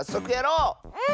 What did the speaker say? うん！